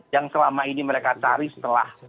yang selama ini mereka cari setelah